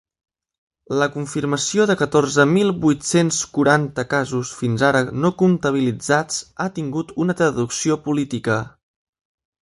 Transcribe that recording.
La confirmació de catorze mil vuit-cents quaranta casos fins ara no comptabilitzats ha tingut una traducció política.